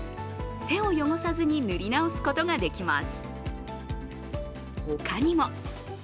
手を汚さずに塗り直すことができます。